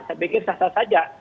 saya pikir sah sah saja